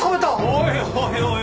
おいおいおい。